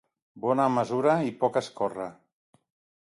Bona mesura i poc escórrer.